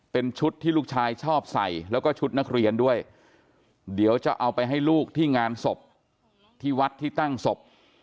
เป็นชุดที่ลูกชายชอบใส่แล้วก็ชุดนักเรียนด้วยเดี๋ยวจะเอาไปให้ลูกที่งานศพที่วัดที่ตั้งศพ